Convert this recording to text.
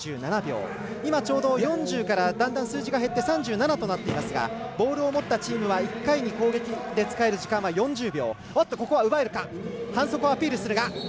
４０からだんだん数字が減って３７となっていますがボールを持ったチームは１回に攻撃で使える時間は４０秒。